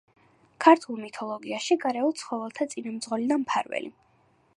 ქართულ მითოლოგიაში გარეულ ცხოველთა წინამძღოლი და მფარველი.